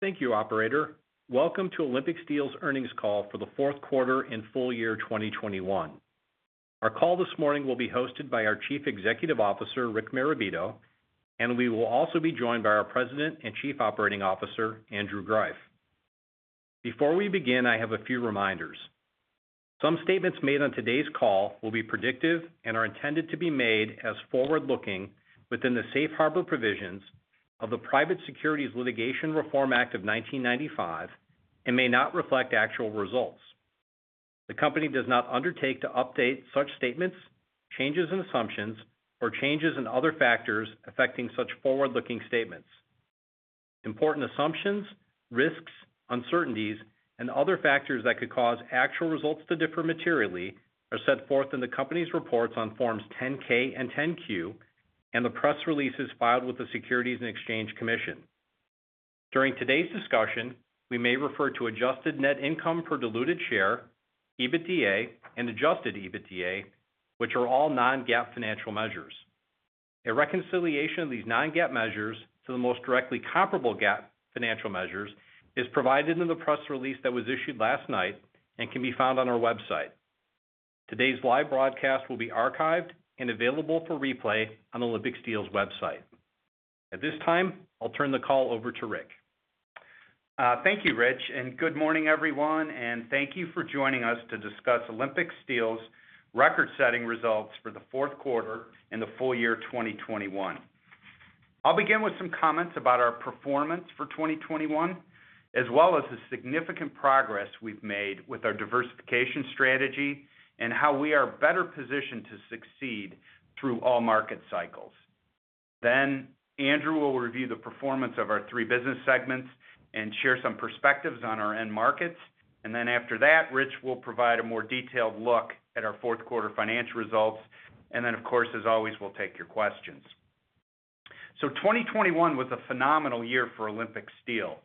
Thank you, operator. Welcome to Olympic Steel's earnings call for the fourth quarter and full year 2021. Our call this morning will be hosted by our Chief Executive Officer, Rick Marabito, and we will also be joined by our President and Chief Operating Officer, Andrew Greiff. Before we begin, I have a few reminders. Some statements made on today's call will be predictive and are intended to be made as forward-looking within the safe harbor provisions of the Private Securities Litigation Reform Act of 1995 and may not reflect actual results. The company does not undertake to update such statements, changes in assumptions, or changes in other factors affecting such forward-looking statements. Important assumptions, risks, uncertainties, and other factors that could cause actual results to differ materially are set forth in the company's reports on Forms 10-K and 10-Q and the press releases filed with the Securities and Exchange Commission. During today's discussion, we may refer to adjusted net income per diluted share, EBITDA, and adjusted EBITDA, which are all non-GAAP financial measures. A reconciliation of these non-GAAP measures to the most directly comparable GAAP financial measures is provided in the press release that was issued last night and can be found on our website. Today's live broadcast will be archived and available for replay on Olympic Steel's website. At this time, I'll turn the call over to Rick. Thank you, Rich, and good morning, everyone, and thank you for joining us to discuss Olympic Steel's record-setting results for the fourth quarter and the full year 2021. I'll begin with some comments about our performance for 2021, as well as the significant progress we've made with our diversification strategy and how we are better positioned to succeed through all market cycles. Andrew will review the performance of our three business segments and share some perspectives on our end markets. Rich will provide a more detailed look at our fourth quarter financial results. Of course, as always, we'll take your questions. 2021 was a phenomenal year for Olympic Steel.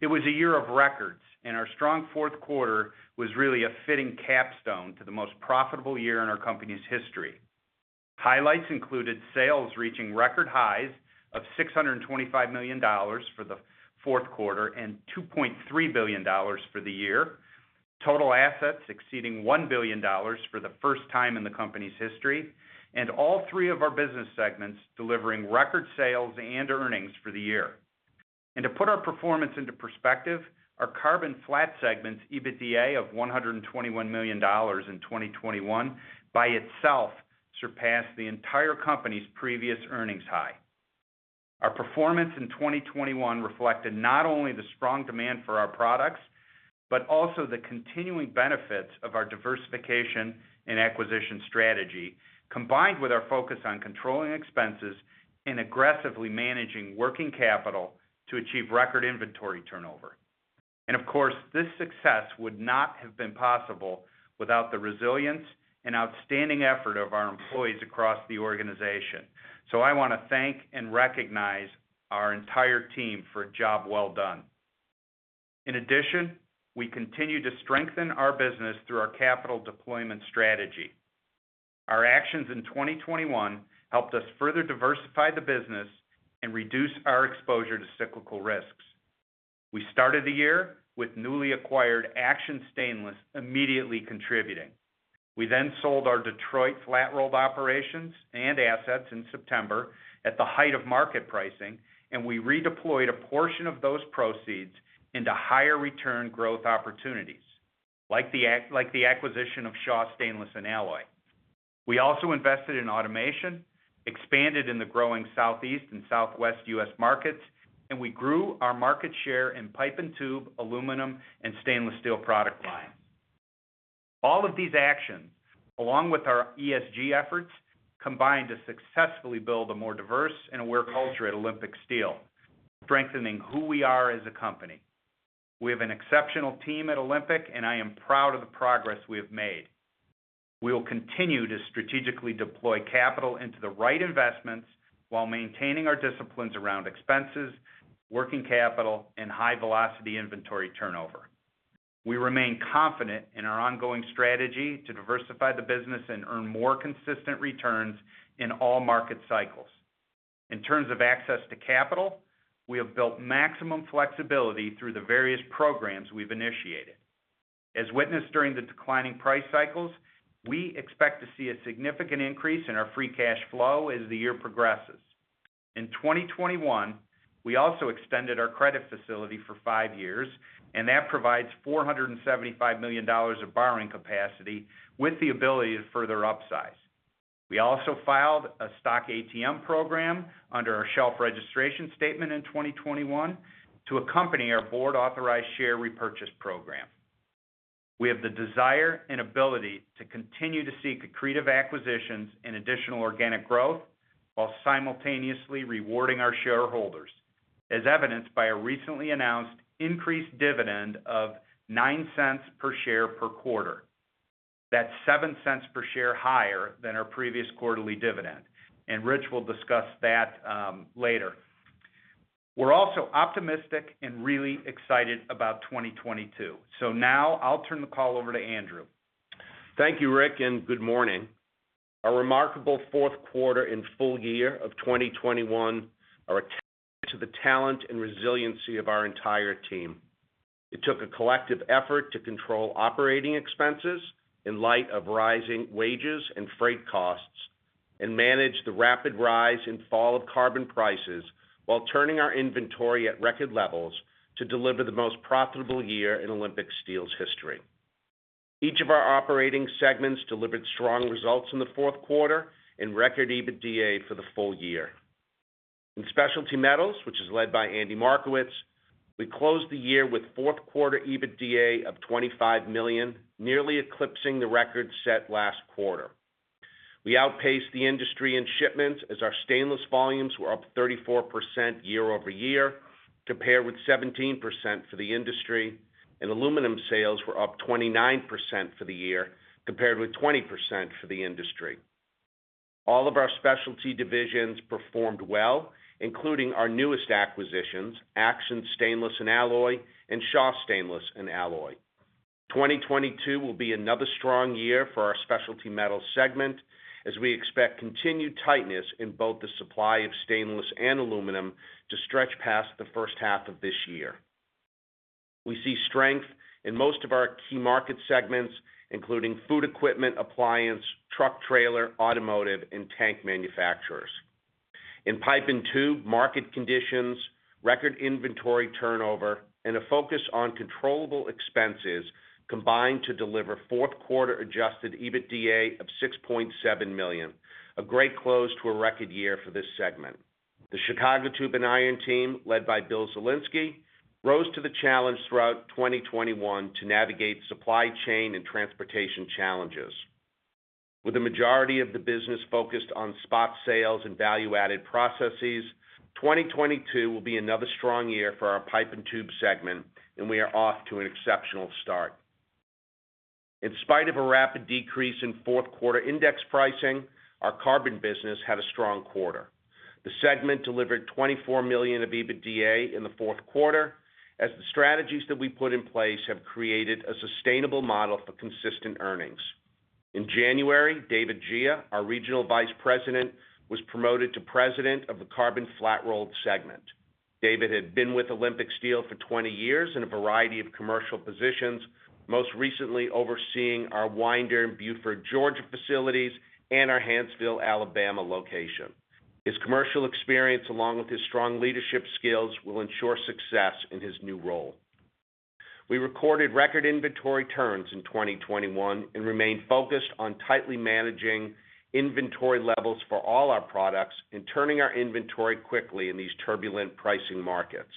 It was a year of records, and our strong fourth quarter was really a fitting capstone to the most profitable year in our company's history. Highlights included sales reaching record highs of $625 million for the fourth quarter and $2.3 billion for the year. Total assets exceeding $1 billion for the first time in the company's history. All three of our business segments delivering record sales and earnings for the year. To put our performance into perspective, our carbon flat segment's EBITDA of $121 million in 2021 by itself surpassed the entire company's previous earnings high. Our performance in 2021 reflected not only the strong demand for our products, but also the continuing benefits of our diversification and acquisition strategy, combined with our focus on controlling expenses and aggressively managing working capital to achieve record inventory turnover. Of course, this success would not have been possible without the resilience and outstanding effort of our employees across the organization. I wanna thank and recognize our entire team for a job well done. In addition, we continue to strengthen our business through our capital deployment strategy. Our actions in 2021 helped us further diversify the business and reduce our exposure to cyclical risks. We started the year with newly acquired Action Stainless immediately contributing. We then sold our Detroit flat-rolled operations and assets in September at the height of market pricing, and we redeployed a portion of those proceeds into higher return growth opportunities like the acquisition of Shaw Stainless & Alloy. We also invested in automation, expanded in the growing Southeast and Southwest U.S. markets, and we grew our market share in pipe and tube, aluminum, and stainless steel product lines. All of these actions, along with our ESG efforts, combined to successfully build a more diverse and aware culture at Olympic Steel, strengthening who we are as a company. We have an exceptional team at Olympic, and I am proud of the progress we have made. We will continue to strategically deploy capital into the right investments while maintaining our disciplines around expenses, working capital, and high-velocity inventory turnover. We remain confident in our ongoing strategy to diversify the business and earn more consistent returns in all market cycles. In terms of access to capital, we have built maximum flexibility through the various programs we've initiated. As witnessed during the declining price cycles, we expect to see a significant increase in our free cash flow as the year progresses. In 2021, we also extended our credit facility for five years, and that provides $475 million of borrowing capacity with the ability to further upsize. We also filed a stock ATM program under our shelf registration statement in 2021 to accompany our board-authorized share repurchase program. We have the desire and ability to continue to seek accretive acquisitions and additional organic growth while simultaneously rewarding our shareholders, as evidenced by a recently announced increased dividend of $0.09 per share per quarter. That's $0.07 per share higher than our previous quarterly dividend. Rich will discuss that later. We're also optimistic and really excited about 2022. Now I'll turn the call over to Andrew. Thank you, Rick, and good morning. A remarkable fourth quarter and full year of 2021 are a testament to the talent and resiliency of our entire team. It took a collective effort to control operating expenses in light of rising wages and freight costs, and manage the rapid rise and fall of carbon prices while turning our inventory at record levels to deliver the most profitable year in Olympic Steel's history. Each of our operating segments delivered strong results in the fourth quarter and record EBITDA for the full year. In Specialty Metals, which is led by Andy Markowitz, we closed the year with fourth quarter EBITDA of $25 million, nearly eclipsing the record set last quarter. We outpaced the industry in shipments as our stainless volumes were up 34% year-over-year, compared with 17% for the industry, and aluminum sales were up 29% for the year, compared with 20% for the industry. All of our specialty divisions performed well, including our newest acquisitions, Action Stainless & Alloys and Shaw Stainless & Alloy. 2022 will be another strong year for our specialty metals segment as we expect continued tightness in both the supply of stainless and aluminum to stretch past the first half of this year. We see strength in most of our key market segments, including food equipment, appliance, truck trailer, automotive, and tank manufacturers. In pipe and tube, market conditions, record inventory turnover, and a focus on controllable expenses combined to deliver fourth quarter adjusted EBITDA of $6.7 million, a great close to a record year for this segment. The Chicago Tube and Iron team, led by Bill Zielinski, rose to the challenge throughout 2021 to navigate supply chain and transportation challenges. With the majority of the business focused on spot sales and value-added processes, 2022 will be another strong year for our pipe and tube segment, and we are off to an exceptional start. In spite of a rapid decrease in fourth quarter index pricing, our carbon business had a strong quarter. The segment delivered $24 million of EBITDA in the fourth quarter as the strategies that we put in place have created a sustainable model for consistent earnings. In January, David Gea, our Regional Vice President, was promoted to President of the Carbon Flat Rolled segment. David had been with Olympic Steel for 20 years in a variety of commercial positions, most recently overseeing our Winder in Buford, Georgia, facilities and our Hanceville, Alabama, location. His commercial experience, along with his strong leadership skills, will ensure success in his new role. We recorded record inventory turns in 2021 and remain focused on tightly managing inventory levels for all our products and turning our inventory quickly in these turbulent pricing markets.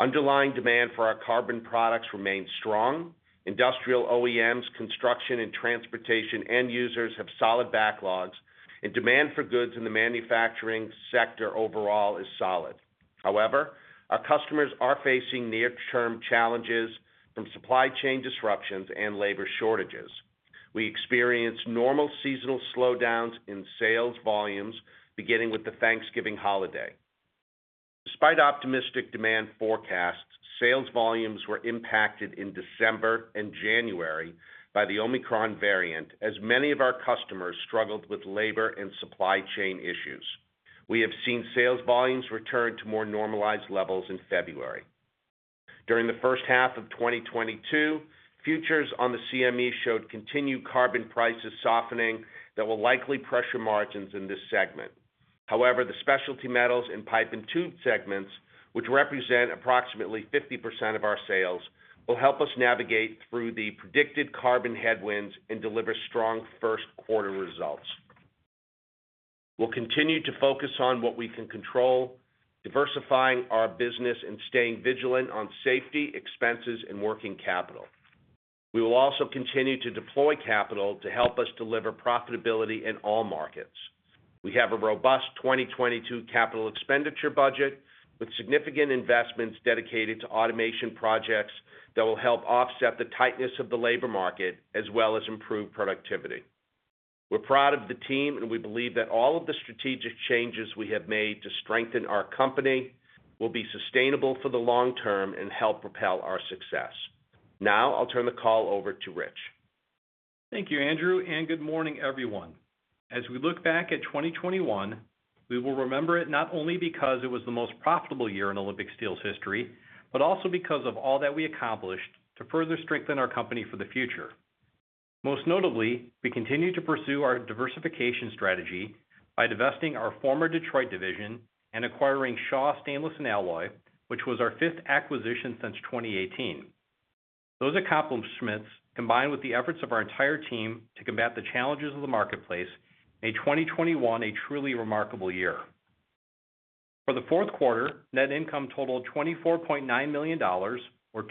Underlying demand for our carbon products remains strong. Industrial OEMs, construction, and transportation end users have solid backlogs, and demand for goods in the manufacturing sector overall is solid. However, our customers are facing near-term challenges from supply chain disruptions and labor shortages. We experienced normal seasonal slowdowns in sales volumes beginning with the Thanksgiving holiday. Despite optimistic demand forecasts, sales volumes were impacted in December and January by the Omicron variant, as many of our customers struggled with labor and supply chain issues. We have seen sales volumes return to more normalized levels in February. During the first half of 2022, futures on the CME showed continued carbon prices softening that will likely pressure margins in this segment. However, the specialty metals in pipe and tube segments, which represent approximately 50% of our sales, will help us navigate through the predicted carbon headwinds and deliver strong first quarter results. We'll continue to focus on what we can control, diversifying our business, and staying vigilant on safety, expenses, and working capital. We will also continue to deploy capital to help us deliver profitability in all markets. We have a robust 2022 capital expenditure budget with significant investments dedicated to automation projects that will help offset the tightness of the labor market as well as improve productivity. We're proud of the team, and we believe that all of the strategic changes we have made to strengthen our company will be sustainable for the long term and help propel our success. Now, I'll turn the call over to Rich. Thank you, Andrew, and good morning, everyone. As we look back at 2021, we will remember it not only because it was the most profitable year in Olympic Steel's history, but also because of all that we accomplished to further strengthen our company for the future. Most notably, we continued to pursue our diversification strategy by divesting our former Detroit division and acquiring Shaw Stainless & Alloy, which was our fifth acquisition since 2018. Those accomplishments, combined with the efforts of our entire team to combat the challenges of the marketplace, made 2021 a truly remarkable year. For the fourth quarter, net income totaled $24.9 million or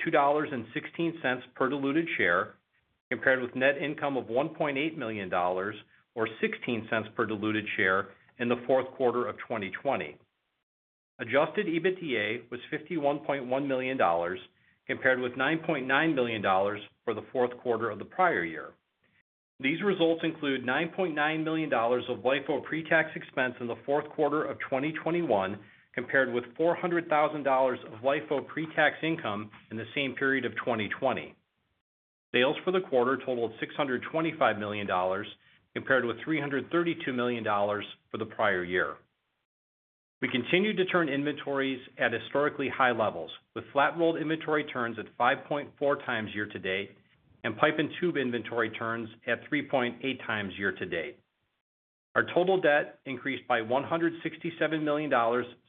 $2.16 per diluted share, compared with net income of $1.8 million or $0.16 per diluted share in the fourth quarter of 2020. Adjusted EBITDA was $51.1 million, compared with $9.9 million for the fourth quarter of the prior year. These results include $9.9 million of LIFO pre-tax expense in the fourth quarter of 2021, compared with $400,000 of LIFO pre-tax income in the same period of 2020. Sales for the quarter totaled $625 million compared with $332 million for the prior year. We continued to turn inventories at historically high levels, with flat rolled inventory turns at 5.4x year-to-date, and pipe and tube inventory turns at 3.8x year-to-date. Our total debt increased by $167 million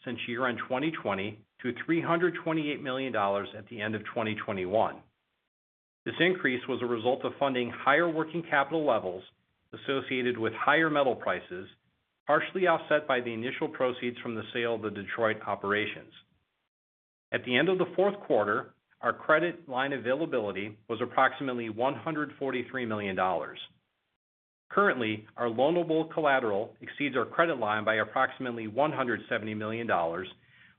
since year-end 2020 to $328 million at the end of 2021. This increase was a result of funding higher working capital levels associated with higher metal prices, partially offset by the initial proceeds from the sale of the Detroit operations. At the end of the fourth quarter, our credit line availability was approximately $143 million. Currently, our loanable collateral exceeds our credit line by approximately $170 million,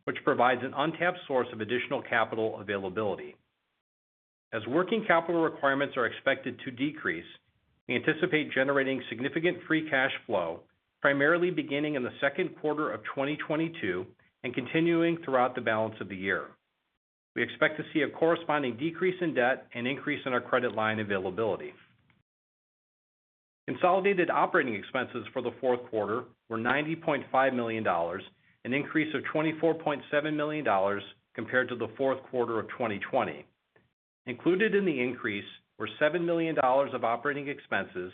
which provides an untapped source of additional capital availability. As working capital requirements are expected to decrease, we anticipate generating significant free cash flow, primarily beginning in the second quarter of 2022 and continuing throughout the balance of the year. We expect to see a corresponding decrease in debt and increase in our credit line availability. Consolidated operating expenses for the fourth quarter were $90.5 million, an increase of $24.7 million compared to the fourth quarter of 2020. Included in the increase were $7 million of operating expenses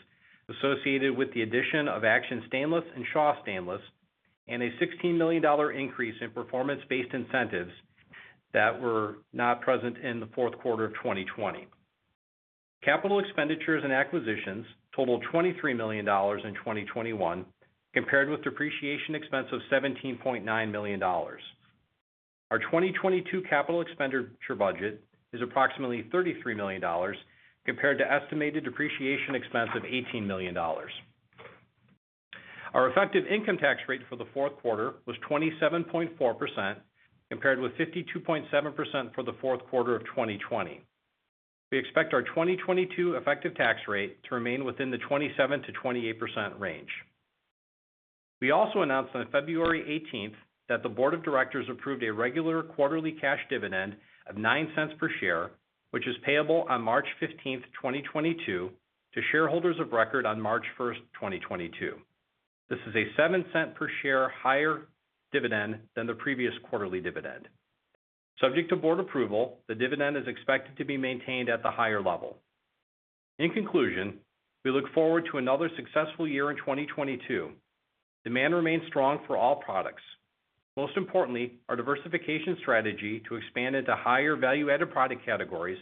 associated with the addition of Action Stainless and Shaw Stainless, and a $16 million increase in performance-based incentives that were not present in the fourth quarter of 2020. Capital expenditures and acquisitions totaled $23 million in 2021, compared with depreciation expense of $17.9 million. Our 2022 capital expenditure budget is approximately $33 million compared to estimated depreciation expense of $18 million. Our effective income tax rate for the fourth quarter was 27.4%, compared with 52.7% for the fourth quarter of 2020. We expect our 2022 effective tax rate to remain within the 27%-28% range. We also announced on February 18 that the board of directors approved a regular quarterly cash dividend of $0.09 per share, which is payable on March 15, 2022 to shareholders of record on March 1, 2022. This is a $0.07 per share higher dividend than the previous quarterly dividend. Subject to board approval, the dividend is expected to be maintained at the higher level. In conclusion, we look forward to another successful year in 2022. Demand remains strong for all products. Most importantly, our diversification strategy to expand into higher value-added product categories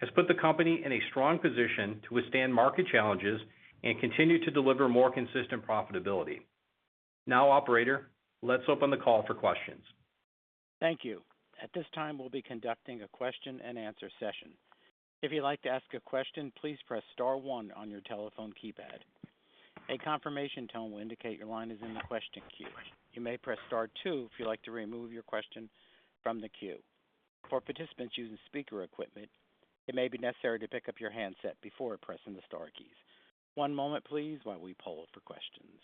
has put the company in a strong position to withstand market challenges and continue to deliver more consistent profitability. Now, operator, let's open the call for questions. Thank you. At this time, we'll be conducting a question-and-answer session. If you'd like to ask a question, please press star one on your telephone keypad. A confirmation tone will indicate your line is in the question queue. You may press star two if you'd like to remove your question from the queue. For participants using speaker equipment, it may be necessary to pick up your handset before pressing the star keys. One moment, please, while we poll for questions.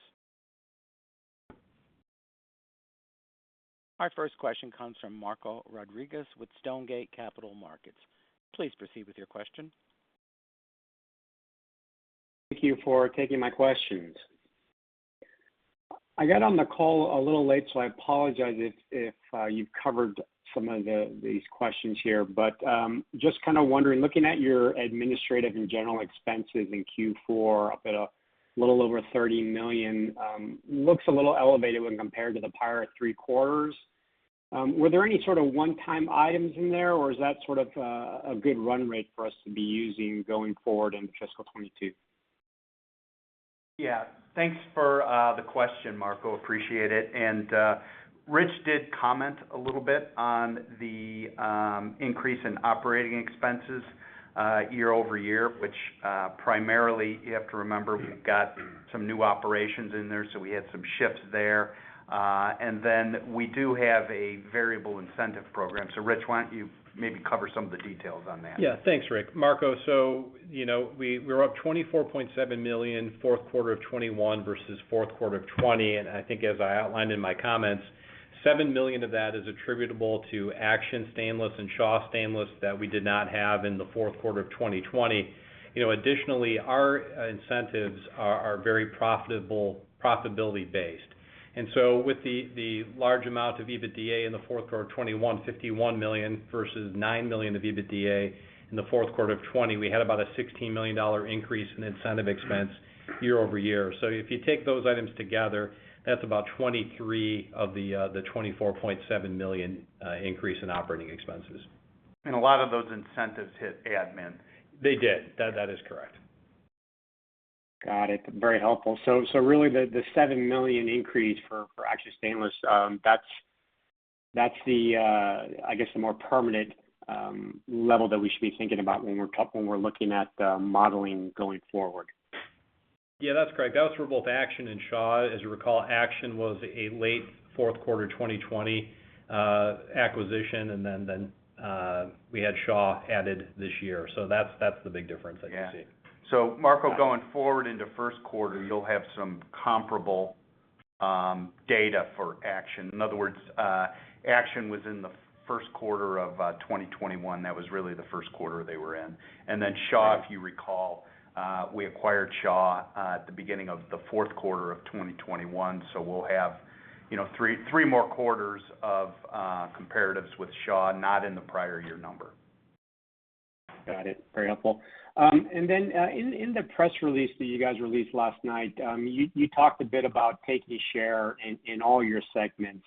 Our first question comes from Marco Rodriguez with Stonegate Capital Markets. Please proceed with your question. Thank you for taking my questions. I got on the call a little late, so I apologize if you've covered some of these questions here. I am just kind of wondering, looking at your administrative and general expenses in Q4 up at a little over $30 million. It looks a little elevated when compared to the prior three quarters. Were there any sort of one-time items in there, or is that sort of a good run rate for us to be using going forward in fiscal 2022? Yeah. Thanks for the question, Marco. Appreciate it. Rich did comment a little bit on the increase in operating expenses year-over-year, which primarily you have to remember, we've got some new operations in there, so we had some shifts there. Then we do have a variable incentive program. Rich, why don't you maybe cover some of the details on that? Yeah. Thanks, Rick. Marco, you know, we're up $24.7 million, fourth quarter of 2021 versus fourth quarter of 2020. I think as I outlined in my comments, $7 million of that is attributable to Action Stainless and Shaw Stainless that we did not have in the fourth quarter of 2020. You know, additionally, our incentives are very profitable, profitability-based. With the large amount of EBITDA in the fourth quarter of 2021, $51 million versus $9 million of EBITDA in the fourth quarter of 2020, we had about a $16 million increase in incentive expense year over year. If you take those items together, that's about $23 million of the $24.7 million increase in operating expenses. A lot of those incentives hit admin. They did. That is correct. Got it. Very helpful. Really the $7 million increase for Action Stainless, that's the I guess the more permanent level that we should be thinking about when we're looking at modeling going forward. Yeah, that's correct. That was for both Action and Shaw. As you recall, Action was a late fourth quarter 2020 acquisition, and then we had Shaw added this year. That's the big difference I can see. Yeah. Marco, going forward into first quarter, you'll have some comparable Data for Action. In other words, Action was in the first quarter of 2021. That was really the first quarter they were in. Shaw, if you recall, we acquired Shaw at the beginning of the fourth quarter of 2021. We'll have, you know, three more quarters of comparatives with Shaw, not in the prior year number. Got it. Very helpful. In the press release that you guys released last night, you talked a bit about taking a share in all your segments.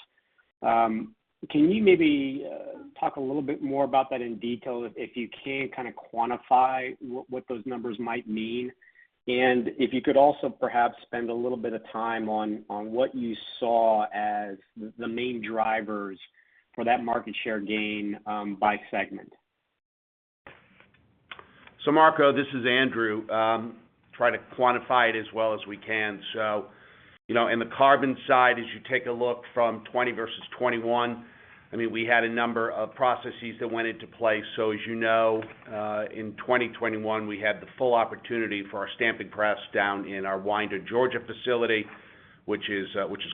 Can you maybe talk a little bit more about that in detail, if you can kind of quantify what those numbers might mean? And if you could also perhaps spend a little bit of time on what you saw as the main drivers for that market share gain, by segment. Marco, this is Andrew. Try to quantify it as well as we can. You know, in the carbon side, as you take a look from 2020 versus 2021, I mean, we had a number of processes that went into play. As you know, in 2021, we had the full opportunity for our stamping press down in our Winder, Georgia facility, which is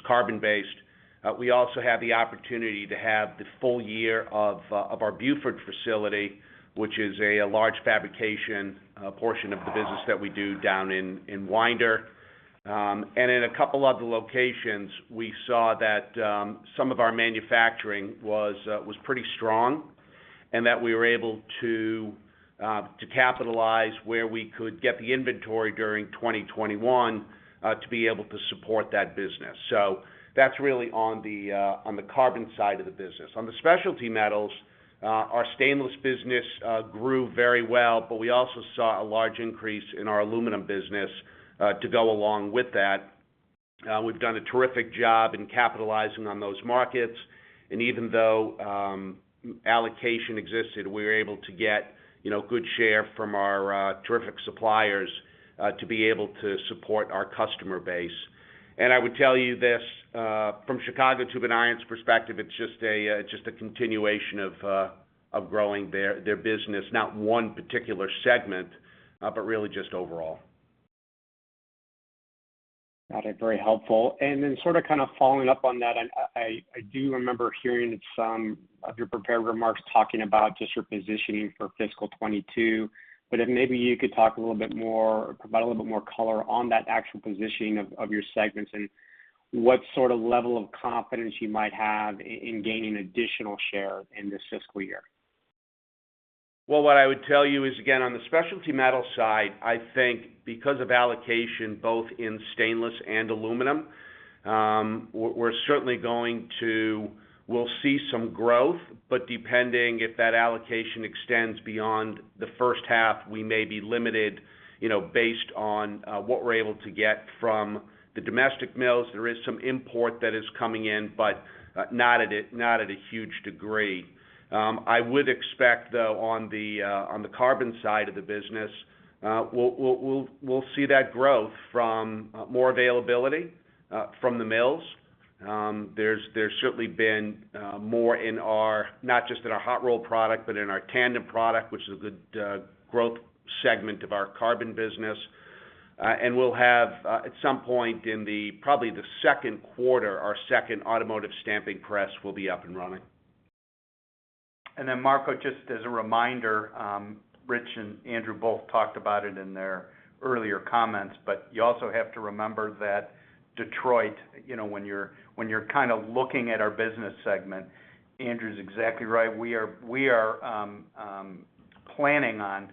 carbon-based. We also had the opportunity to have the full year of our Buford facility, which is a large fabrication portion of the business that we do down in Winder. In a couple other locations, we saw that some of our manufacturing was pretty strong and that we were able to capitalize where we could get the inventory during 2021 to be able to support that business. That's really on the Carbon side of the business. On the Specialty Metals, our stainless business grew very well, but we also saw a large increase in our aluminum business to go along with that. We've done a terrific job in capitalizing on those markets. Even though allocation existed, we were able to get, you know, good share from our terrific suppliers to be able to support our customer base. I would tell you this, from Chicago Tube & Iron's perspective, it's just a continuation of growing their business, not one particular segment, but really just overall. Got it. Very helpful. Sort of, kind of following up on that, I do remember hearing some of your prepared remarks talking about just your positioning for fiscal 2022. If maybe you could talk a little bit more or provide a little bit more color on that actual positioning of your segments and what sort of level of confidence you might have in gaining additional share in this fiscal year. Well, what I would tell you is, again, on the specialty metal side, I think because of allocation both in stainless and aluminum, we're certainly going to, we'll see some growth. Depending if that allocation extends beyond the first half, we may be limited, you know, based on what we're able to get from the domestic mills. There is some import that is coming in, but not at a huge degree. I would expect, though, on the carbon side of the business, we'll see that growth from more availability from the mills. There's certainly been more in our not just in our hot-rolled product, but in our tandem product, which is a good growth segment of our carbon business. We'll have at some point in the, probably the second quarter, our second automotive stamping press up and running. Marco, just as a reminder, Rich and Andrew both talked about it in their earlier comments, but you also have to remember that Detroit, you know, when you're kind of looking at our business segment, Andrew's exactly right. We are planning on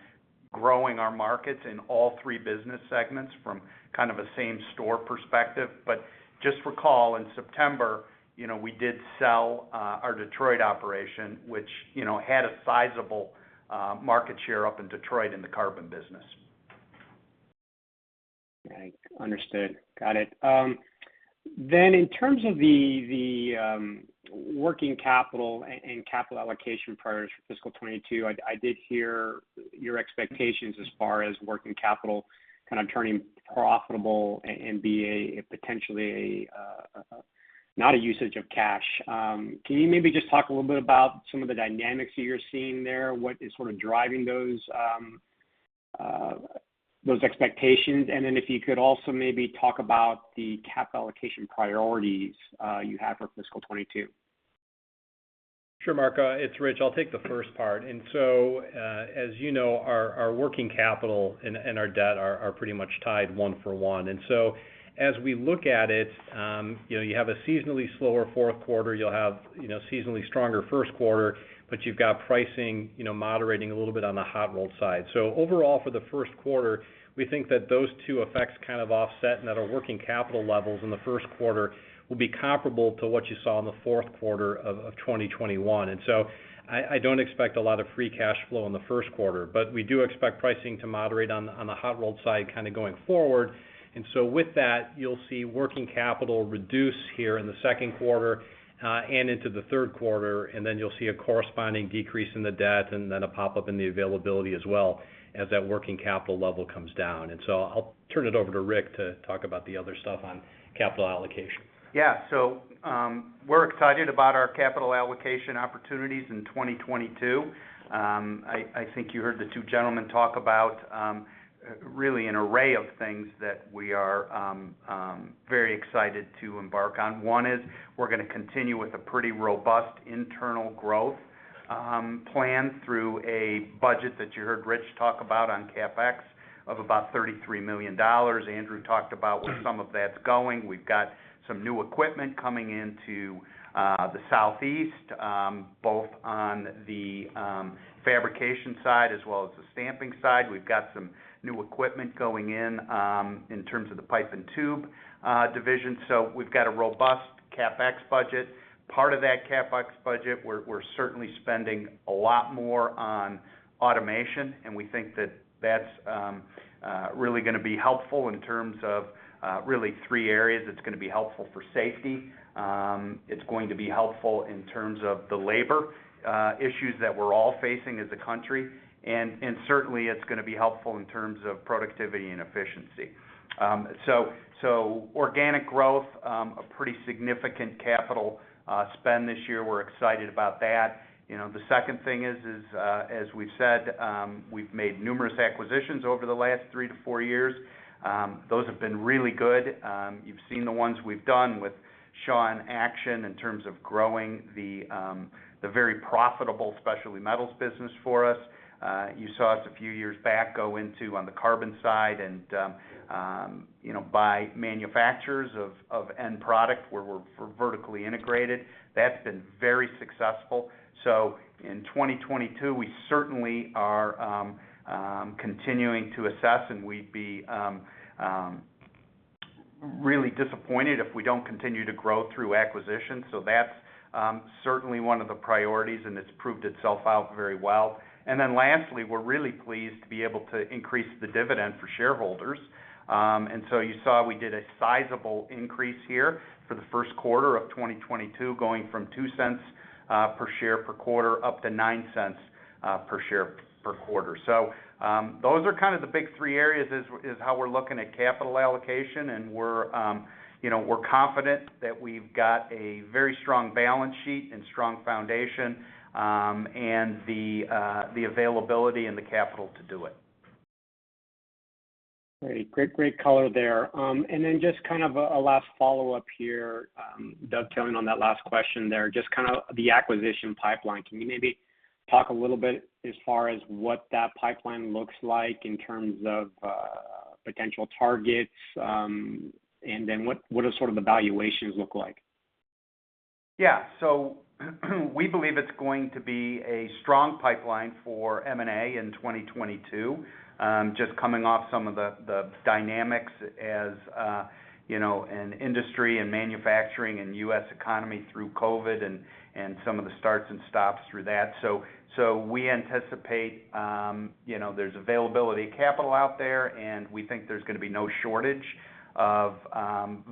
growing our markets in all three business segments from kind of a same store perspective. But just recall, in September, you know, we did sell our Detroit operation, which, you know, had a sizable market share up in Detroit in the carbon business. Right. Understood. Got it. In terms of the working capital and capital allocation priorities for fiscal 2022, I did hear your expectations as far as working capital kind of turning profitable and being potentially not a usage of cash. Can you maybe just talk a little bit about some of the dynamics that you're seeing there? What is sort of driving those expectations? If you could also maybe talk about the capital allocation priorities you have for fiscal 2022. Sure, Marco. It's Rich. I'll take the first part. As you know, our working capital and our debt are pretty much tied one for one. As we look at it, you know, you have a seasonally slower fourth quarter, you'll have, you know, seasonally stronger first quarter, but you've got pricing, you know, moderating a little bit on the hot-rolled side. Overall, for the first quarter, we think that those two effects kind of offset and that our working capital levels in the first quarter will be comparable to what you saw in the fourth quarter of 2021. I don't expect a lot of free cash flow in the first quarter. We do expect pricing to moderate on the hot-rolled side kind of going forward. With that, you'll see working capital reduce here in the second quarter, and into the third quarter. Then you'll see a corresponding decrease in the debt and then a pop-up in the availability as well as that working capital level comes down. I'll turn it over to Rick to talk about the other stuff on capital allocation. Yeah. We're excited about our capital allocation opportunities in 2022. I think you heard the two gentlemen talk about really an array of things that we are very excited to embark on. One is we're gonna continue with a pretty robust internal growth. We plan through a budget that you heard Rich talk about on CapEx of about $33 million. Andrew talked about where some of that's going. We've got some new equipment coming into the southeast, both on the fabrication side as well as the stamping side. We've got some new equipment going in in terms of the pipe and tube division. We've got a robust CapEx budget. Part of that CapEx budget, we're certainly spending a lot more on automation, and we think that that's really gonna be helpful in terms of really three areas. It's gonna be helpful for safety. It's going to be helpful in terms of the labor issues that we're all facing as a country. Certainly it's gonna be helpful in terms of productivity and efficiency. Organic growth, a pretty significant capital spend this year. We're excited about that. The second thing is, as we've said, we've made numerous acquisitions over the last three to four years. Those have been really good. You've seen the ones we've done with Shaw and Action in terms of growing the very profitable specialty metals business for us. You saw us a few years back go into on the carbon side and buy manufacturers of end product where we're vertically integrated. That's been very successful. In 2022, we certainly are continuing to assess, and we'd be really disappointed if we don't continue to grow through acquisitions. That's certainly one of the priorities, and it's proved itself out very well. Lastly, we're really pleased to be able to increase the dividend for shareholders. You saw we did a sizable increase here for the first quarter of 2022, going from $0.02 per share per quarter up to $0.09 per share per quarter. Those are kind of the big three areas is how we're looking at capital allocation and we're, you know, we're confident that we've got a very strong balance sheet and strong foundation, and the availability and the capital to do it. Great color there. Just kind of a last follow-up here, dovetailing on that last question there, just kind of the acquisition pipeline. Can you maybe talk a little bit as far as what that pipeline looks like in terms of potential targets, and then what do sort of the valuations look like? Yeah. We believe it's going to be a strong pipeline for M&A in 2022. Just coming off some of the dynamics as you know, an industry and manufacturing and U.S. economy through COVID and some of the starts and stops through that. We anticipate you know, there's availability of capital out there, and we think there's gonna be no shortage of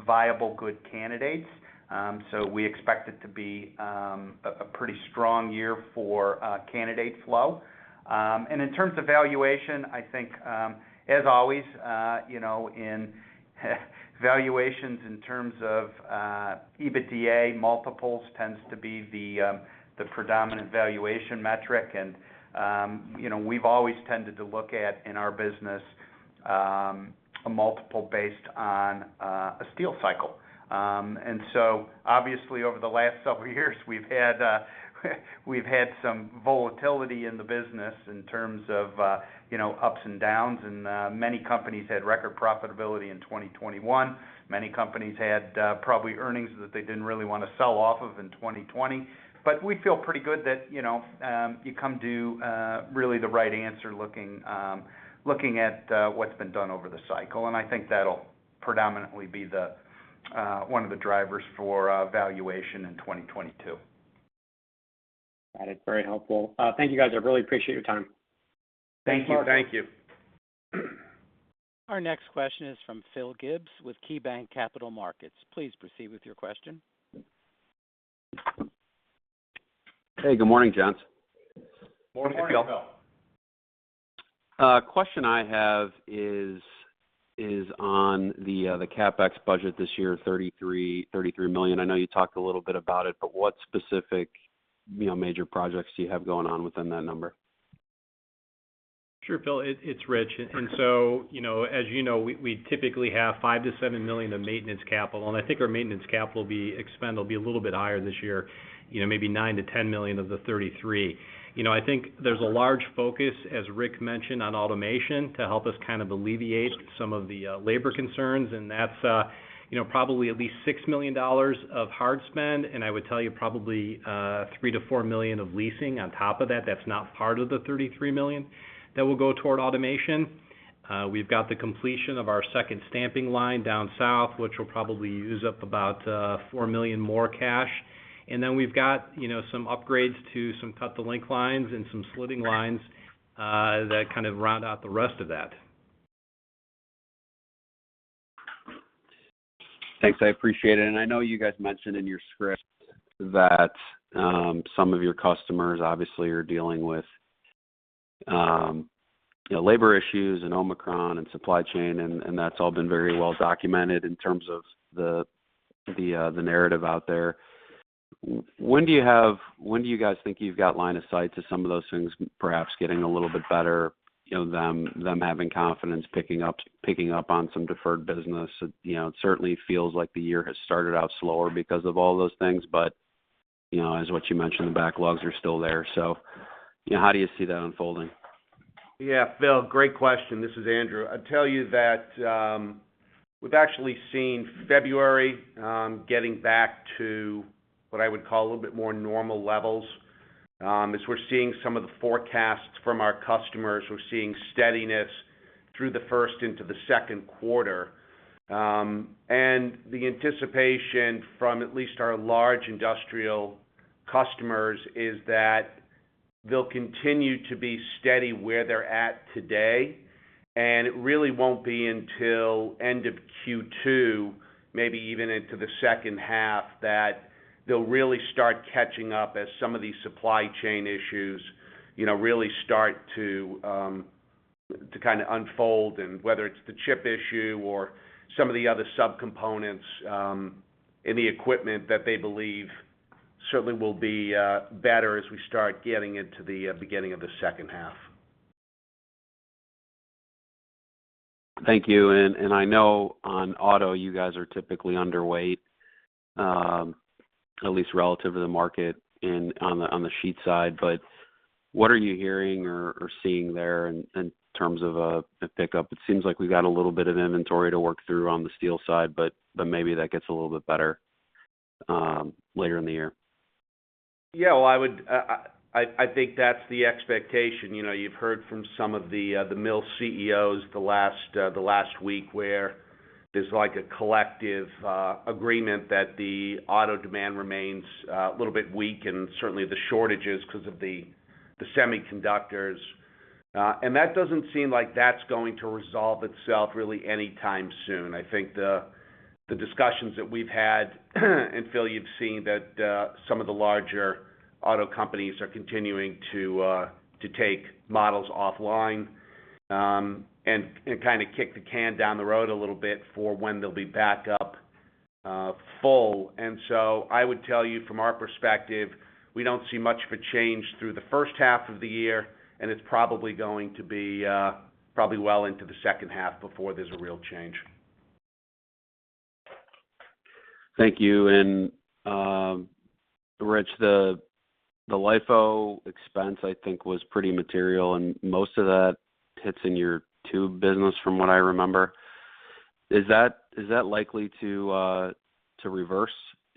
viable good candidates. We expect it to be a pretty strong year for candidate flow. In terms of valuation, I think, as always, you know, in valuations in terms of EBITDA multiples tends to be the predominant valuation metric. You know, we've always tended to look at, in our business, a multiple based on a steel cycle. Obviously over the last several years, we've had some volatility in the business in terms of, you know, ups and downs, and many companies had record profitability in 2021. Many companies had probably earnings that they didn't really want to sell off of in 2020. We feel pretty good that, you know, you come to really the right answer looking at what's been done over the cycle. I think that'll predominantly be the one of the drivers for valuation in 2022. Got it. Very helpful. Thank you, guys. I really appreciate your time. Thank you. Thank you. Our next question is from Philip Gibbs with KeyBanc Capital Markets. Please proceed with your question. Hey, good morning, gents. Morning, Phil. Morning, Phil. The question I have is on the CapEx budget this year, $33 million. I know you talked a little bit about it, but what specific, you know, major projects do you have going on within that number? Sure, Phil. It's Rich. You know, as you know, we typically have $5 million-$7 million of maintenance capital, and I think our maintenance CapEx will be a little bit higher this year, you know, maybe $9 million-$10 million of the $33 million. You know, I think there's a large focus, as Rick mentioned, on automation to help us kind of alleviate some of the labor concerns, and that's, you know, probably at least $6 million of hard spend. I would tell you probably, $3 million-$4 million of leasing on top of that. That's not part of the $33 million that will go toward automation. We've got the completion of our second stamping line down south, which will probably use up about, $4 million more cash. We've got, you know, some upgrades to some cut-to-length lines and some slitting lines that kind of round out the rest of that. Thanks. I appreciate it. I know you guys mentioned in your script that some of your customers obviously are dealing with you know, labor issues and Omicron and supply chain, and that's all been very well documented in terms of the narrative out there. When do you guys think you've got line of sight to some of those things perhaps getting a little bit better? You know, them having confidence picking up on some deferred business. You know, it certainly feels like the year has started out slower because of all those things, but you know, as what you mentioned, the backlogs are still there. So you know, how do you see that unfolding? Yeah. Phil, great question. This is Andrew. I'd tell you that, we've actually seen February getting back to what I would call a little bit more normal levels. As we're seeing some of the forecasts from our customers, we're seeing steadiness through the first into the second quarter. The anticipation from at least our large industrial customers is that they'll continue to be steady where they're at today, and it really won't be until end of Q2, maybe even into the second half, that they'll really start catching up as some of these supply chain issues, you know, really start to kind of unfold, and whether it's the chip issue or some of the other subcomponents in the equipment that they believe certainly will be better as we start getting into the beginning of the second half. Thank you. I know on auto, you guys are typically underweight, at least relative to the market on the sheet side, but what are you hearing or seeing there in terms of a pickup? It seems like we've got a little bit of inventory to work through on the steel side, but maybe that gets a little bit better later in the year. Yeah. Well, I think that's the expectation. You know, you've heard from some of the mill CEOs the last week where there's like a collective agreement that the auto demand remains a little bit weak, and certainly the shortages 'cause of the semiconductors. That doesn't seem like that's going to resolve itself really anytime soon. I think the discussions that we've had, and Phil, you've seen that some of the larger auto companies are continuing to take models offline, and kind of kick the can down the road a little bit for when they'll be back up full. I would tell you from our perspective, we don't see much of a change through the first half of the year, and it's probably going to be well into the second half before there's a real change. Thank you. Rich, the LIFO expense I think was pretty material, and most of that hits in your tube business from what I remember. Is that likely to reverse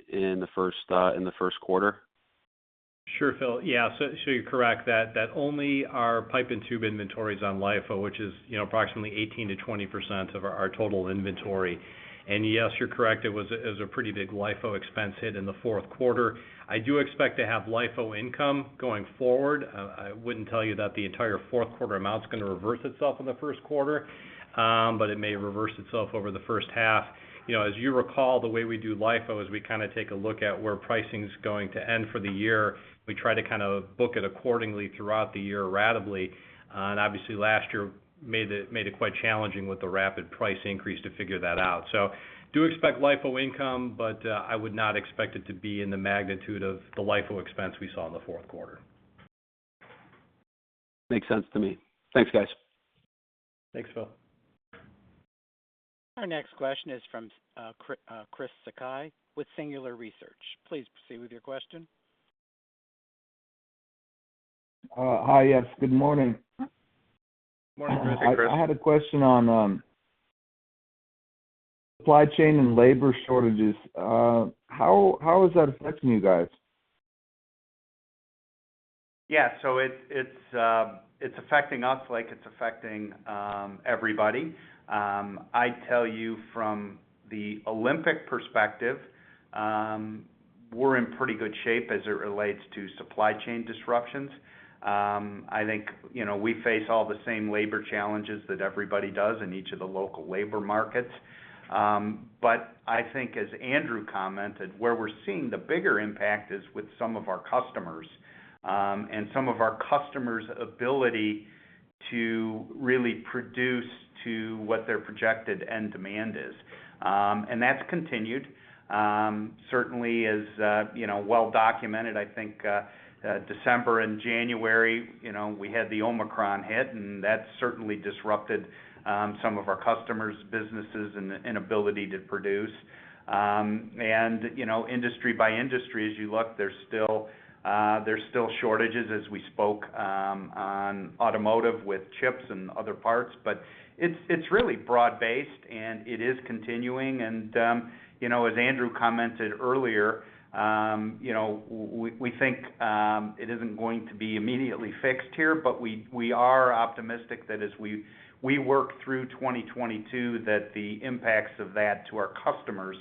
in the first quarter? Sure, Phil. Yeah. So you're correct that only our pipe and tube inventory is on LIFO, which is, you know, approximately 18%-20% of our total inventory. Yes, you're correct. It was a pretty big LIFO expense hit in the fourth quarter. I do expect to have LIFO income going forward. I wouldn't tell you that the entire fourth quarter amount's gonna reverse itself in the first quarter, but it may reverse itself over the first half. You know, as you recall, the way we do LIFO is we kind of take a look at where pricing's going to end for the year. We try to kind of book it accordingly throughout the year ratably. Obviously, last year made it quite challenging with the rapid price increase to figure that out. Do expect LIFO income, but I would not expect it to be in the magnitude of the LIFO expense we saw in the fourth quarter. Makes sense to me. Thanks, guys. Thanks, Phil. Our next question is from Joichi Sakai with Singular Research. Please proceed with your question. Hi. Yes, good morning. Morning, Joichi. I had a question on supply chain and labor shortages. How is that affecting you guys? Yeah. It's affecting us like it's affecting everybody. I'd tell you from the Olympic perspective, we're in pretty good shape as it relates to supply chain disruptions. I think, you know, we face all the same labor challenges that everybody does in each of the local labor markets. I think as Andrew commented, where we're seeing the bigger impact is with some of our customers and some of our customers' ability to really produce to what their projected end demand is. That's continued. Certainly as you know, well documented, I think, December and January, you know, we had the Omicron hit, and that certainly disrupted some of our customers' businesses and ability to produce. You know, industry by industry, as you look, there's still shortages as we spoke on automotive with chips and other parts. But it's really broad-based, and it is continuing. You know, as Andrew commented earlier, you know, we think it isn't going to be immediately fixed here, but we are optimistic that as we work through 2022, that the impacts of that to our customers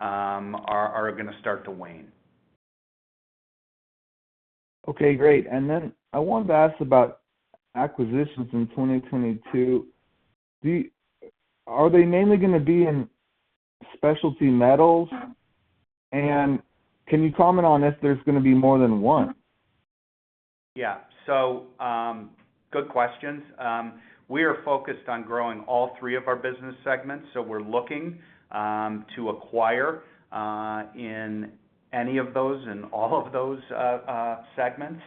are gonna start to wane. Okay. Great. I wanted to ask about acquisitions in 2022. Are they mainly gonna be in specialty metals? Can you comment on if there's gonna be more than one? Yeah. Good questions. We are focused on growing all three of our business segments, so we're looking to acquire in any of those, in all of those segments.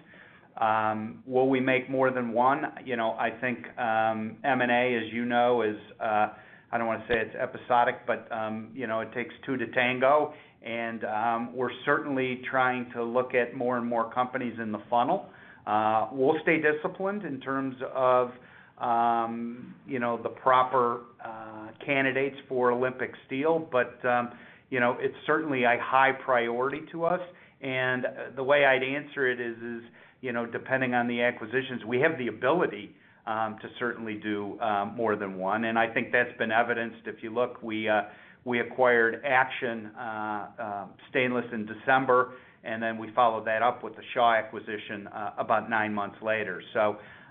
Will we make more than one? You know, I think, M&A, as you know, is, I don't want to say it's episodic, but, you know, it takes two to tango. We're certainly trying to look at more and more companies in the funnel. We'll stay disciplined in terms of, you know, the proper candidates for Olympic Steel. You know, it's certainly a high priority to us. The way I'd answer it is, you know, depending on the acquisitions, we have the ability to certainly do more than one. I think that's been evidenced. If you look, we acquired Action Stainless in December, and then we followed that up with the Shaw acquisition about nine months later.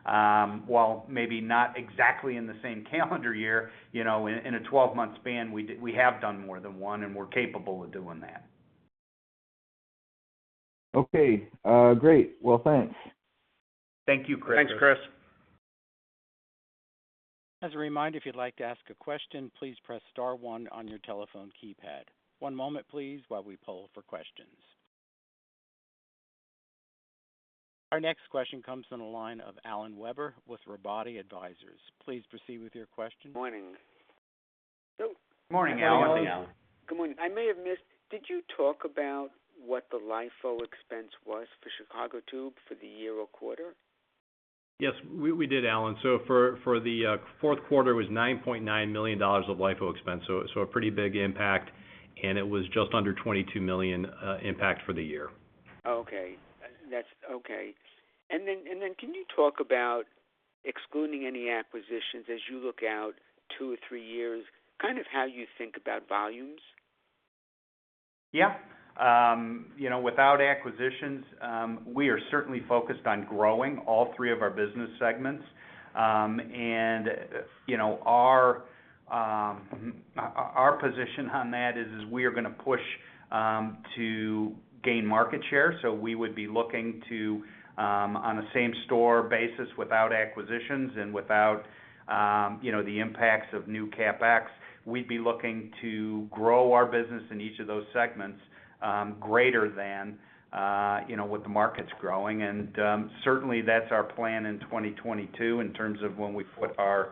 While maybe not exactly in the same calendar year, you know, in a twelve-month span, we have done more than one, and we're capable of doing that. Okay. Great. Well, thanks. Thank you, Joichi. Thanks, Joichi. As a reminder, if you'd like to ask a question, please press star one on your telephone keypad. One moment, please, while we poll for questions. Our next question comes from the line of Alan Weber with Robotti & Company Advisors. Please proceed with your question. Morning. Morning, Alan. Good morning, Alan. Good morning. I may have missed, did you talk about what the LIFO expense was for Chicago Tube for the year or quarter? Yes, we did, Alan. For the fourth quarter, it was $9.9 million of LIFO expense, so a pretty big impact. It was just under $22 million impact for the year. Okay. That's okay. Can you talk about excluding any acquisitions as you look out two or three years, kind of how you think about volumes? Yeah. You know, without acquisitions, we are certainly focused on growing all three of our business segments. You know, our position on that is we are gonna push to gain market share. We would be looking to on a same store basis without acquisitions and without you know the impacts of new CapEx. We'd be looking to grow our business in each of those segments greater than you know what the market's growing. Certainly that's our plan in 2022 in terms of when we put our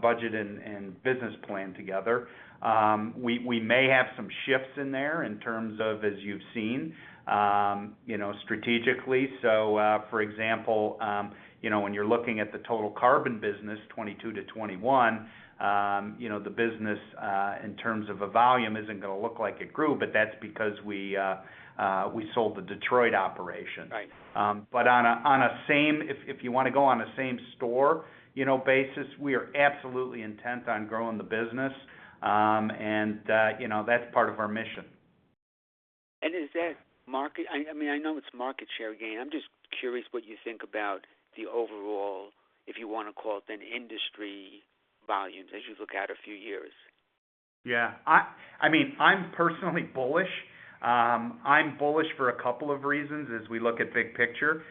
budget and business plan together. We may have some shifts in there in terms of as you've seen you know strategically. For example, you know, when you're looking at the total carbon business, 2022 to 2021, you know, the business in terms of a volume isn't gonna look like it grew, but that's because we sold the Detroit operation. Right. On a same store basis, we are absolutely intent on growing the business. You know, that's part of our mission. Is that market? I mean, I know it's market share gain. I'm just curious what you think about the overall, if you wanna call it an industry volume as you look out a few years. Yeah. I mean, I'm personally bullish. I'm bullish for a couple of reasons as we look at big picture.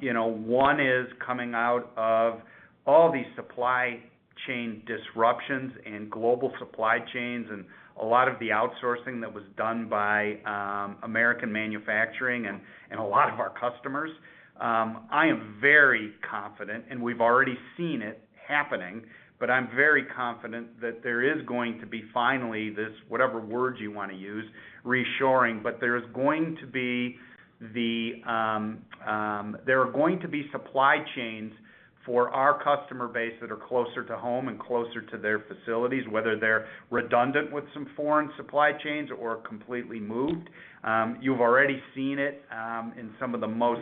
You know, one is coming out of all these supply chain disruptions and global supply chains and a lot of the outsourcing that was done by American manufacturing and a lot of our customers. I am very confident, and we've already seen it happening, but I'm very confident that there is going to be finally this, whatever word you wanna use, reshoring. There are going to be supply chains for our customer base that are closer to home and closer to their facilities, whether they're redundant with some foreign supply chains or completely moved. You've already seen it in some of the most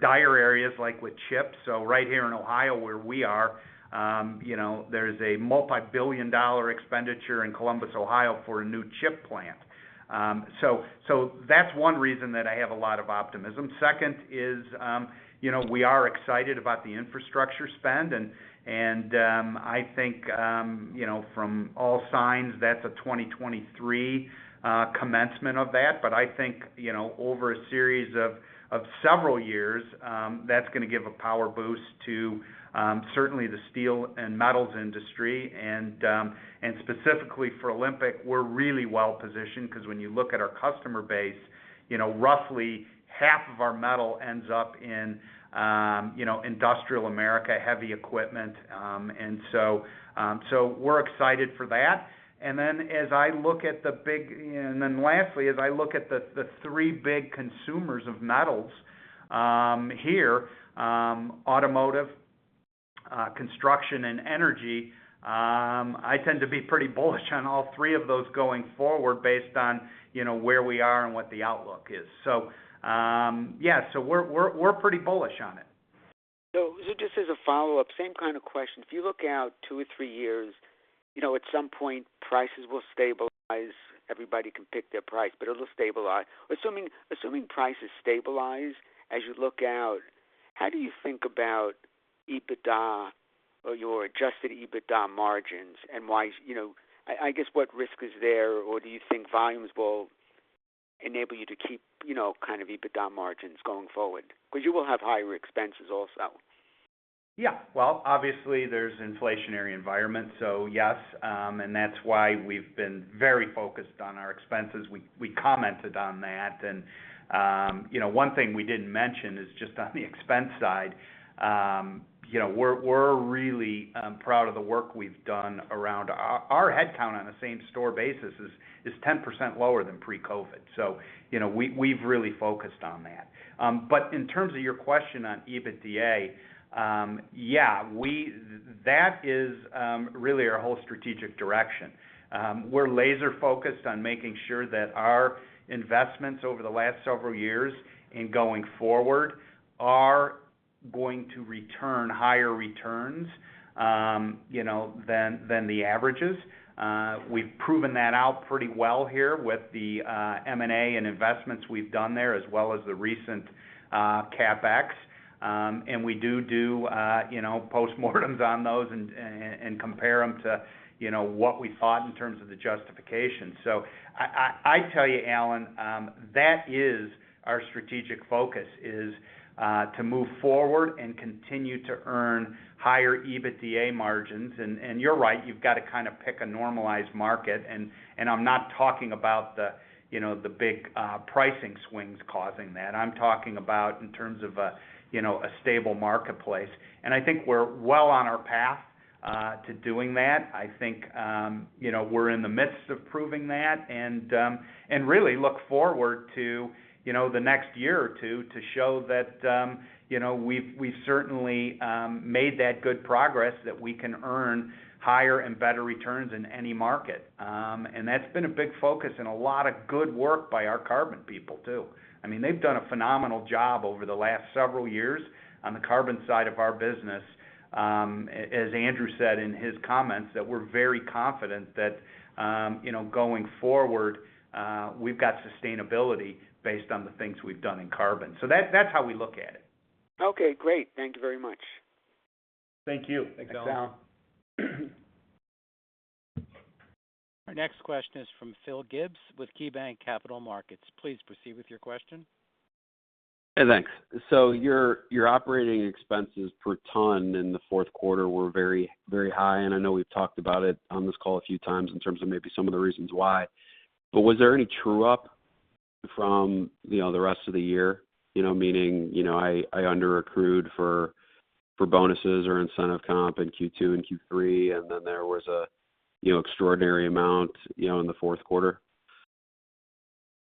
dire areas, like with chips. Right here in Ohio, where we are, you know, there's a multi-billion-dollar expenditure in Columbus, Ohio, for a new chip plant. That's one reason that I have a lot of optimism. Second, is you know, we are excited about the infrastructure spend. I think, you know, from all signs, that's a 2023 commencement of that. I think, you know, over a series of several years, that's gonna give a power boost to certainly the steel and metals industry. Specifically for Olympic, we're really well positioned because when you look at our customer base, you know, roughly half of our metal ends up in, you know, industrial America, heavy equipment. We're excited for that. As I look at the big. Then lastly, as I look at the three big consumers of metals here, automotive, construction, and energy, I tend to be pretty bullish on all three of those going forward based on you know where we are and what the outlook is. Yeah, so we're pretty bullish on it. Just as a follow-up, same kind of question. If you look out two or three years, you know, at some point prices will stabilize. Everybody can pick their price, but it'll stabilize. Assuming prices stabilize as you look out, how do you think about EBITDA or your adjusted EBITDA margins and why. You know, I guess, what risk is there or do you think volumes will enable you to keep, you know, kind of EBITDA margins going forward? Because you will have higher expenses also. Yeah. Well, obviously, there's inflationary environment, so yes, and that's why we've been very focused on our expenses. We commented on that and, you know, one thing we didn't mention is just on the expense side. You know, we're really proud of the work we've done around our head count. Our head count on the same store basis is 10% lower than pre-COVID. You know, we've really focused on that. But in terms of your question on EBITDA, yeah, that is really our whole strategic direction. We're laser-focused on making sure that our investments over the last several years and going forward are going to return higher returns, you know, than the averages. We've proven that out pretty well here with the M&A and investments we've done there, as well as the recent CapEx. We do you know postmortems on those and compare them to you know what we thought in terms of the justification. I tell you, Alan, that is our strategic focus, is to move forward and continue to earn higher EBITDA margins. You're right, you've got to kind of pick a normalized market. I'm not talking about the you know the big pricing swings causing that. I'm talking about in terms of a you know a stable marketplace. I think we're well on our path to doing that. I think, you know, we're in the midst of proving that and really look forward to, you know, the next year or two to show that, you know, we've certainly made that good progress that we can earn higher and better returns in any market. That's been a big focus and a lot of good work by our carbon people too. I mean, they've done a phenomenal job over the last several years on the carbon side of our business. As Andrew said in his comments, that we're very confident that, you know, going forward, we've got sustainability based on the things we've done in carbon. That's how we look at it. Okay, great. Thank you very much. Thank you. Thanks, Alan. Our next question is from Philip Gibbs with KeyBanc Capital Markets. Please proceed with your question. Hey, thanks. Your operating expenses per ton in the fourth quarter were very, very high. I know we've talked about it on this call a few times in terms of maybe some of the reasons why. Was there any true-up from, you know, the rest of the year? You know, meaning, you know, I underaccrued for bonuses or incentive comp in Q2 and Q3, and then there was a, you know, extraordinary amount, you know, in the fourth quarter.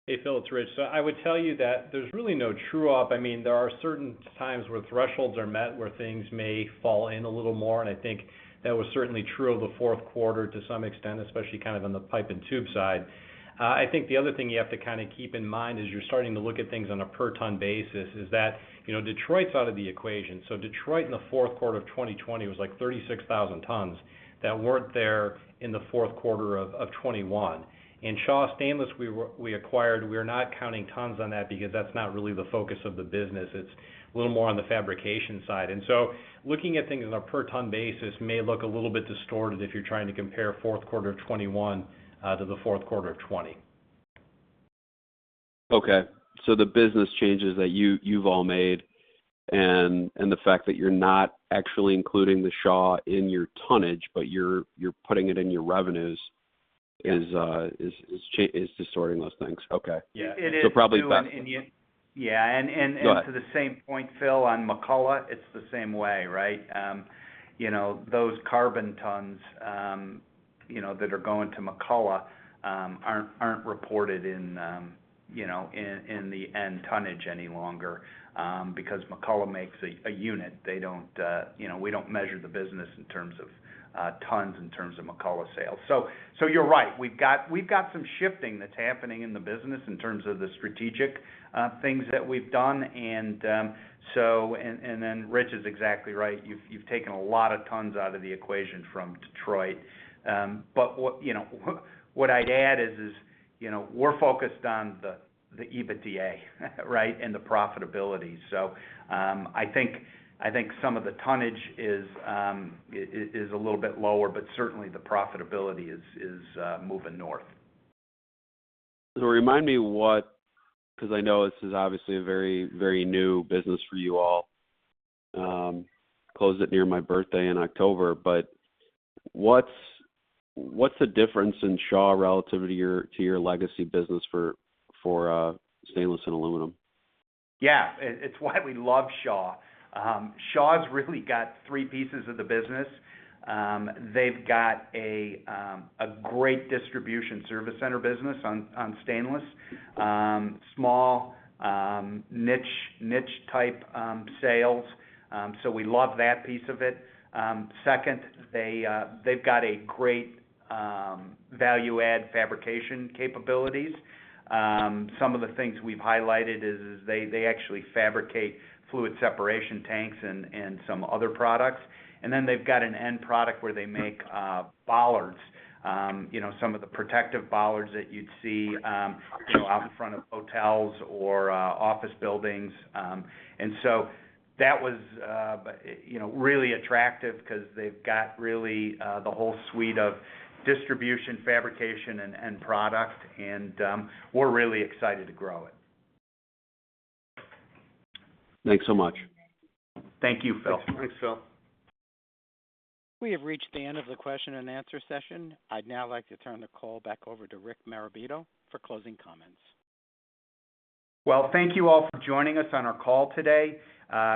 Hey, Phil, it's Rich. I would tell you that there's really no true-up. I mean, there are certain times where thresholds are met, where things may fall in a little more, and I think that was certainly true of the fourth quarter to some extent, especially kind of on the pipe and tube side. I think the other thing you have to kind of keep in mind as you're starting to look at things on a per ton basis is that, you know, Detroit's out of the equation. Detroit in the fourth quarter of 2020 was, like, 36,000 tons that weren't there in the fourth quarter of 2021. Shaw Stainless, we acquired, we're not counting tons on that because that's not really the focus of the business. It's a little more on the fabrication side. Looking at things on a per ton basis may look a little bit distorted if you're trying to compare fourth quarter 2021 to the fourth quarter of 2020. Okay. The business changes that you've all made and the fact that you're not actually including the Shaw in your tonnage, but you're putting it in your revenues is distorting those things. Okay. Yeah. So probably. It is. Yeah. To the same point, Phil, on McCullough, it's the same way, right? You know, those carbon tons that are going to McCullough aren't reported in the net tonnage any longer, because McCullough makes a unit. They don't, you know, we don't measure the business in terms of tons in terms of McCullough sales. So you're right. We've got some shifting that's happening in the business in terms of the strategic things that we've done. Then Rich is exactly right. You've taken a lot of tons out of the equation from Detroit. But what I'd add is, you know, we're focused on the EBITDA, right? And the profitability. I think some of the tonnage is a little bit lower, but certainly the profitability is moving north. Remind me what 'cause I know this is obviously a very, very new business for you all. Closed it near my birthday in October. What's the difference in Shaw relative to your legacy business for stainless and aluminum? Yeah. It's why we love Shaw. Shaw's really got three pieces of the business. They've got a great distribution service center business on stainless. Small niche-type sales. So we love that piece of it. Second, they've got a great value add fabrication capabilities. Some of the things we've highlighted is they actually fabricate fluid separation tanks and some other products. They've got an end product where they make bollards. You know, some of the protective bollards that you'd see out in front of hotels or office buildings. That was really attractive 'cause they've got really the whole suite of distribution, fabrication and end product and we're really excited to grow it. Thanks so much. Thank you, Phil. Thanks, Phil. We have reached the end of the question and answer session. I'd now like to turn the call back over to Rick Marabito for closing comments. Well, thank you all for joining us on our call today.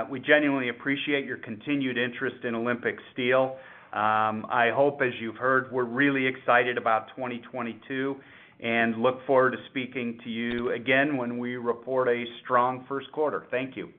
We genuinely appreciate your continued interest in Olympic Steel. I hope, as you've heard, we're really excited about 2022 and look forward to speaking to you again when we report a strong first quarter. Thank you.